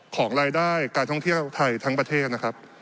ของรายได้การท่องเที่ยวไทยทั้งประเทศนะครับ